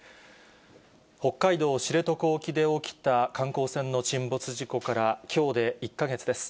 北海道知床沖で起きた観光船の沈没事故から、きょうで１か月です。